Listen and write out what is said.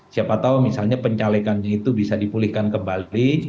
siapa tahu misalnya pencalekannya itu bisa dipulihkan kembali